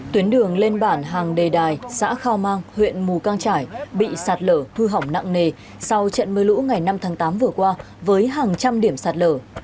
tuyến đường lên bản hàng đề đài xã khao mang huyện mù căng trải bị sạt lở thu hỏng nặng nề sau trận mưa lũ ngày năm tháng tám vừa qua với hàng trăm điểm sạt lở